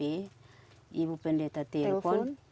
ibu pendeta telepon